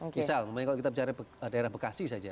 misal kalau kita bicara daerah bekasi saja